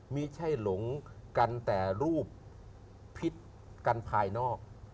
ไม่ใช่หลงกันแต่รูปพิษกันภายนอก